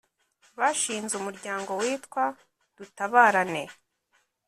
bashinze umuryango witwa Dutabarane